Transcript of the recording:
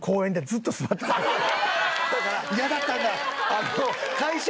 嫌だったんだ。